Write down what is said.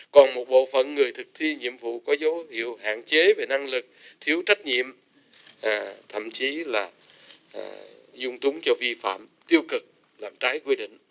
còn một bộ phận người thực thi nhiệm vụ có dấu hiệu hạn chế về năng lực thiếu trách nhiệm thậm chí là dung túng cho vi phạm tiêu cực làm trái quy định